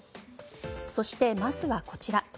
そして、まずはこちら。